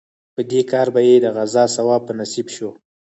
په دې کار به یې د غزا ثواب په نصیب شو.